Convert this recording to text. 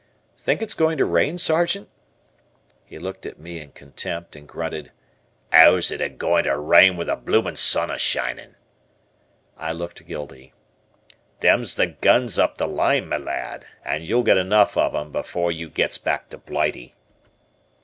"Think it's going to rain, Sergeant?" He looked at me in contempt, and grunted, "'Ow's it a'goin' ter rain with the bloomin' sun a 'shinin'?" I looked guilty. "Them's the guns up the line, me lad, and you'll get enough of 'em before you gets back to Blighty."